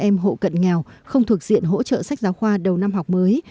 các em hộ cận nghèo không thuộc diện hỗ trợ sách giáo khoa đầu năm học mới